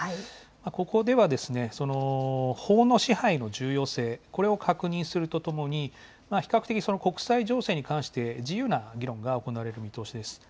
ここでは法の支配の重要性、これを確認するとともに、比較的国際情勢に関して自由な議論が行われる見通しです。